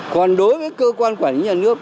còn đối với cơ quan quản lý nhà nước